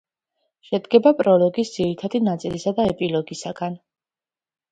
შედგება პროლოგის ძირითადი ნაწილისა და ეპილოგისაგან